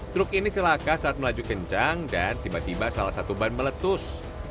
truk ini celaka saat melaju kencang dan tiba tiba salah satu ban meletus